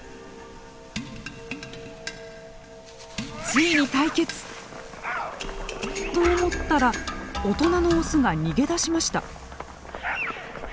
ついに対決！と思ったら大人のオスが逃げ出しました。